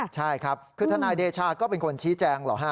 ใช่ครับคือทนายเดชาก็เป็นคนชี้แจงเหรอฮะ